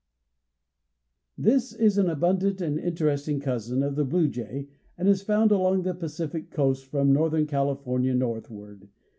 This is an abundant and interesting cousin of the bluejay and is found along the Pacific coast from northern California northward.